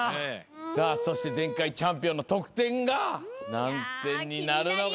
さあそして前回チャンピオンの得点が何点になるのか気になります。